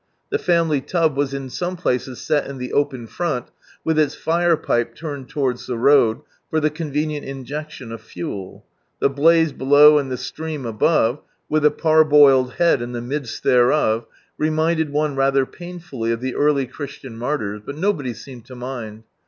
The family tub was in »ome places set in the open front, with its fire pipe turned towards ihe road, for the convenient injection of fuel. The blaze below, and the steam above, with a par boiled head in the midst thereof, reminded one rather painfully of the early Christian Martyrs, but nobody seemed to mind.